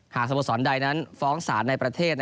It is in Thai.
สโมสรใดนั้นฟ้องศาลในประเทศ